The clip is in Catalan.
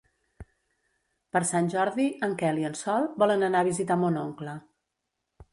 Per Sant Jordi en Quel i en Sol volen anar a visitar mon oncle.